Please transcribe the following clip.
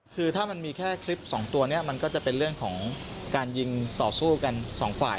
คือถ้ามันมีแค่คลิปสองตัวนี้มันก็จะเป็นเรื่องของการยิงต่อสู้กันสองฝ่าย